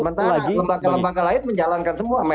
sementara lembaga lembaga lain menjalankan semua